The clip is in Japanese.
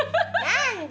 何で！